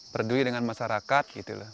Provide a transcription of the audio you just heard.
peduli dengan masyarakat